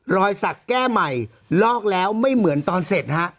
รอยสักแก้ใหม่ลอกแล้วไม่เหมือนตอนเสร็จฮะ